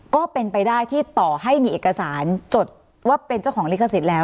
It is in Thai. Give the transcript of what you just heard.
ก็เป็นไปได้ที่ต่อให้มีเอกสารจดว่าเป็นเจ้าของลิขสิทธิ์แล้ว